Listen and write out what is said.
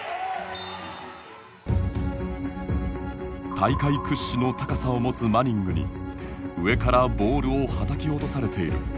大会屈指の高さを持つマニングに上からボールをはたき落とされている。